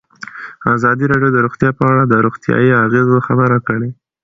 ازادي راډیو د روغتیا په اړه د روغتیایي اغېزو خبره کړې.